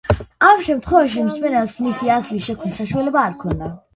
ამ შემთხვევაში მსმენელს მისი ასლის შექმნის საშუალება არ ჰქონდა.